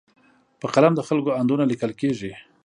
په قلم د خلکو اندونه لیکل کېږي.